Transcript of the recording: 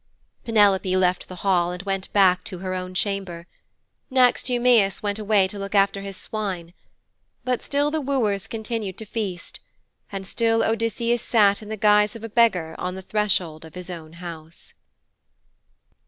Penelope left the hall and went back to her own chamber. Next Eumæus went away to look after his swine. But still the wooers continued to feast, and still Odysseus sat in the guise of a beggar on the threshold of his own house.